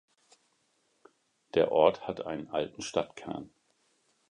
Der Ort hat einen alten Stadtkern.